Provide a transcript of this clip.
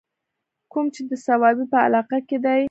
کوم چې د صوابۍ پۀ علاقه کښې دے